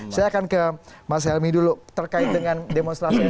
saya akan ke mas helmi dulu terkait dengan demonstrasi ini